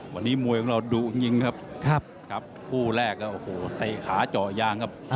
วันนี้มวยของเราดุจริงครับครับคู่แรกแล้วโอ้โหเตะขาเจาะยางครับ